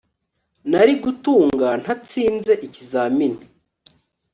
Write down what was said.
Nari gutunga ntatsinze ikizamini